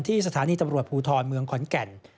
สถานีตำรวจภูทรเมืองขอนแก่น